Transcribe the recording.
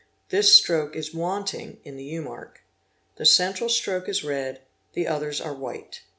This stroke is wanting in the U mark. 'The central stroke is red, the others are white.